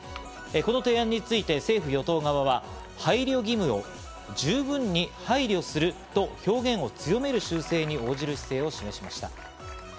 この提案について政府・与党側は配慮義務を十分に配慮すると表現を強める修正に応じる姿勢を示しました。